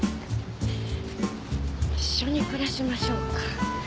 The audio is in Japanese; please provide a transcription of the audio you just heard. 「一緒に暮らしましょう」か。